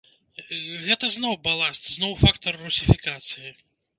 Гэта зноў баласт, зноў фактар русіфікацыі.